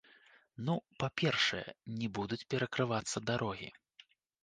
Ну, па-першае, не будуць перакрывацца дарогі.